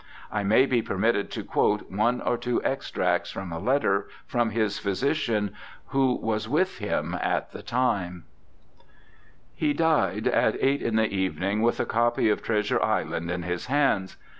1 may be permitted to quote one or two extracts from WILLIAM PEPPER 231 a letter from his physician, who was with him at the time : 'He died at eight in the evening with a copy of Treasure Island in his hands.